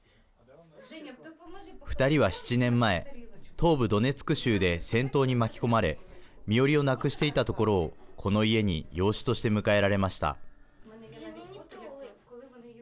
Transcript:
２人は７年前東部ドネツク州で戦闘に巻き込まれ身寄りをなくしていたところこの家に養子として迎えられました。